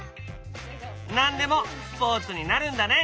何でもスポーツになるんだね！